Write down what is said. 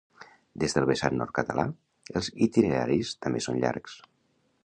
Des del vessant nord-català, els itineraris també són llargs.